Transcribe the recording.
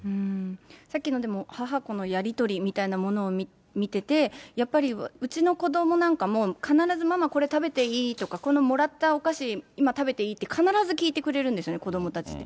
さっきのでも、母子のやり取りみたいなのを見てて、やっぱりうちの子どもなんかも、必ずママ、これ、食べていい？とか、このもらったお菓子、今食べていい？って必ず聞いてくれるんですよね、子どもたちって。